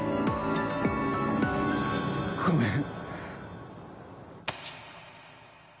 ごめん。